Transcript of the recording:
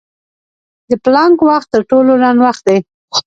د پلانک وخت تر ټولو لنډ وخت دی.